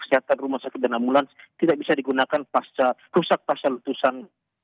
kesehatan rumah sakit dan ambulans tidak bisa digunakan rusak pasca letusan